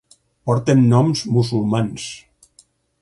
Porten noms musulmans.